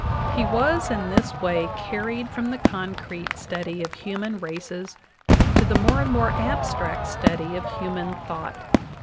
He was in this way carried from the concrete study of human races to the more and more abstract study of human thought.